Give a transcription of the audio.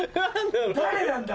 誰なんだ？